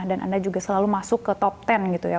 dan anda juga selalu masuk ke top ten gitu ya